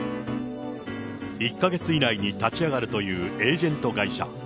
１か月以内に立ち上がるというエージェント会社。